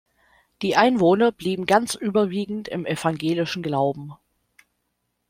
Die Einwohner blieben ganz überwiegend im evangelischen Glauben.